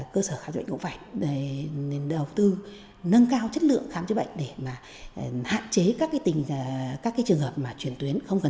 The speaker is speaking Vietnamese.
cơ sở khám chứa bệnh cũng phải đầu tư nâng cao chất lượng khám chứa bệnh để hạn chế các trường hợp chuyển tuyến không cần thiết